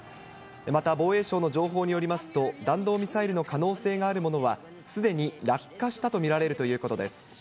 また防衛省の情報によりますと、弾道ミサイルの可能性があるものはすでに落下したと見られるということです。